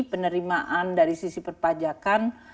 penerimaan dari sisi perpajakan